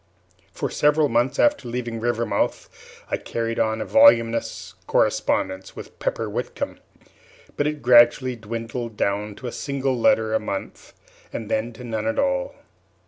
For several months after leaving Rivermouth I carried on a voluminous correspondence with Pepper Whitcomb; but it gradually dwindled down to a single letter a month, and then to none at all.